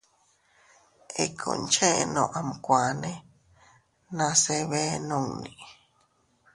Ikkun cheʼeno amkuane nase bee nunni.